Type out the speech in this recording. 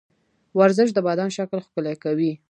ورزش د بدن شکل ښکلی کوي.